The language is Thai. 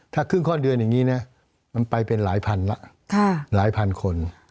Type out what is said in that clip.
ถ้าครึ่งข้อนเดือนอย่างนี้นะมันไปเป็นหลายพันแล้วหลายพันคน